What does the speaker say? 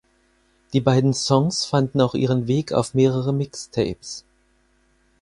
Die beiden Songs fanden auch ihren Weg auf mehrere Mixtapes.